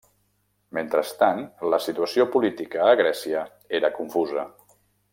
Mentrestant, la situació política a Grècia era confusa.